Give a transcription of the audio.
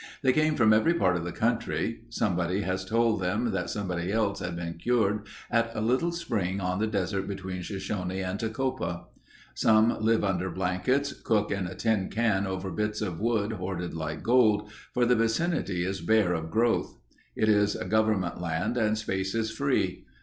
They come from every part of the country. Somebody has told them that somebody else had been cured at a little spring on the desert between Shoshone and Tecopa. Some live under blankets, cook in a tin can over bits of wood hoarded like gold, for the vicinity is bare of growth. It is government land and space is free.